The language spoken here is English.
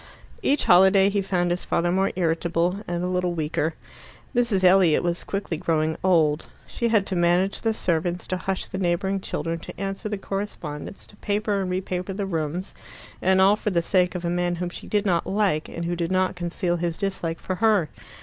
Each holiday he found his father more irritable, and a little weaker. Mrs. Elliot was quickly growing old. She had to manage the servants, to hush the neighbouring children, to answer the correspondence, to paper and re paper the rooms and all for the sake of a man whom she did not like, and who did not conceal his dislike for her.